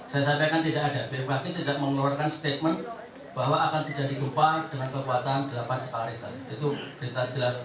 saya sampaikan tidak ada bmkg tidak mengeluarkan statement bahwa akan terjadi gempa dengan kekuatan delapan skala richter itu berita jelas